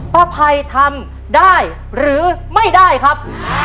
ภัยทำได้หรือไม่ได้ครับ